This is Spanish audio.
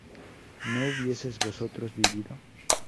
¿no hubieseis vosotros vivido?